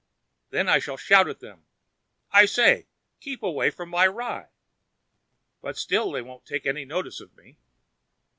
Then I shall shout to them: 'I say, keep away from my rye!' But still they won't take any notice of me.